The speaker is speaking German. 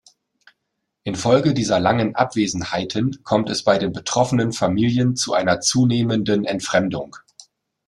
Infolge dieser langen Abwesenheiten kommt es bei den betroffenen Familien zu einer zunehmenden Entfremdung.